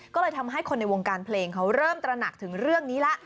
ก็เลยทำให้คนในวงการเพลงเขาเริ่มตระหนักถึงเรื่องนี้แล้ว